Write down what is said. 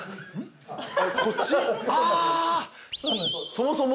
そもそも？